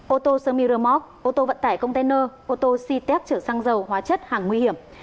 ô tô sermi remote ô tô vận tải container ô tô c tec chở xăng dầu hóa chất hàng nguy hiểm